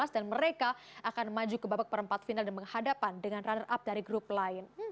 dan mereka akan maju ke babak perempat final dan menghadapan dengan runner up dari grup lain